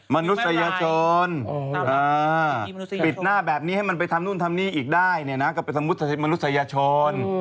มนุษยชนปิดหน้าแบบนี้ให้มันไปทำนู่นทำนี่อีกได้เนี่ยนะก็เป็นทางมนุษยชน